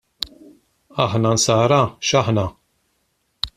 Aħna nsara, x'aħna?